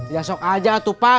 ya sok aja tuh pak